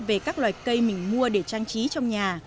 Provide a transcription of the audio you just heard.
về các loại cây mình mua để trang trí trong nhà